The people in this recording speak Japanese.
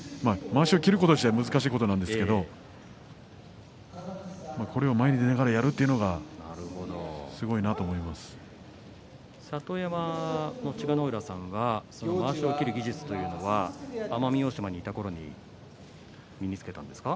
まわしを切ること自体が難しいことなんですけれどもそれを動いてやるというのが里山の千賀ノ浦さんはまわしを切る技術というのは奄美大島にいた時に身につけたんですか？